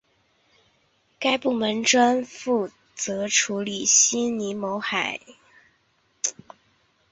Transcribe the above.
该部门专责处理悉尼某些海滨地区的管理发展。